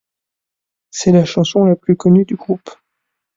C'est la chanson la plus connue du groupe.